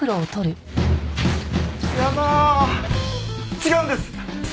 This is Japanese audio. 違うんです！